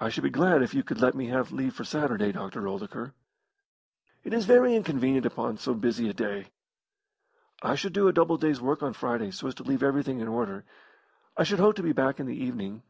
"I should be glad if you could let me have leave for Saturday, Dr. Oldacre." "It is very inconvenient upon so busy a day." "I should do a double day's work on Friday so as to leave everything in order. I should hope to be back in the evening."